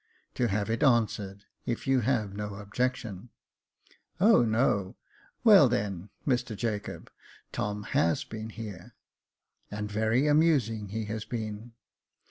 *' To have it answered — if you have no objection." " O, no ! Well, then, Mr Jacob, Tom has been here, and very amusing he has been."